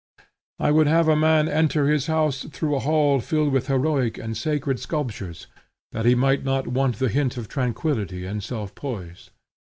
I would have a man enter his house through a hall filled with heroic and sacred sculptures, that he might not want the hint of tranquillity and self poise.